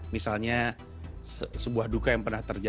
misalnya sebuah duka yang pernah terjadi